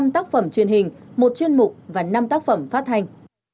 năm tác phẩm truyền hình một chuyên mục và năm tác phẩm phát hành